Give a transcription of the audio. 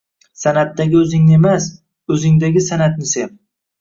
San’atdagi o‘zingni emas, o‘zingdagi san’atni sev